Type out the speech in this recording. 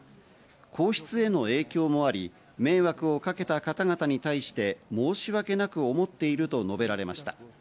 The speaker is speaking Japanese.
皇室への影響もあり、迷惑をかけた方々に対して申し訳なく思っていると述べられました。